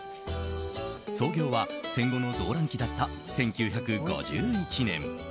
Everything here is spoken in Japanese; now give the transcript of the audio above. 創業は戦後の動乱期だった１９５１年。